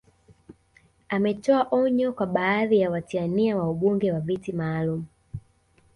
Ametoa onyo kwa baadhi ya watia nia wa ubunge wa viti maalum